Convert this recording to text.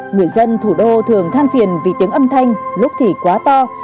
người dân thủ đô thường than phiền vì tiếng âm thanh lúc thì quá to